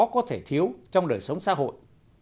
có thể thiếu trong đời sống xã hội